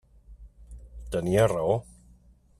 Tenia raó.